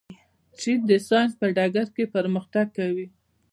چین د ساینس په ډګر کې پرمختګ کوي.